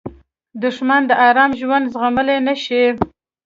دښمن د آرام ژوند زغملی نه شي